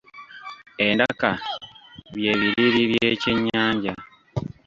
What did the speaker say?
Endaka bye biriri by’ekyennyanja.